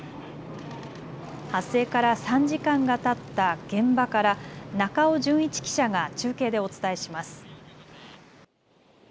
発生から３時間がたった現場から中尾絢一記者が中継でお伝えします。